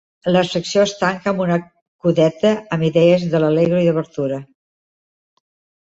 La secció es tanca amb una codetta, amb idees de l'allegro d'obertura.